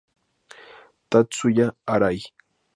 Tatsuya Arai